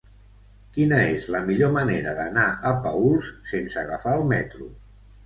Quina és la millor manera d'anar a Paüls sense agafar el metro?